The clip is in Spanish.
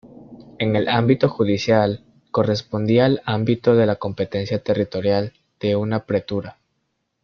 En el ámbito judicial correspondía al ámbito de competencia territorial de una pretura.